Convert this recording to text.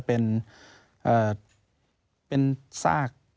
เป็นซาก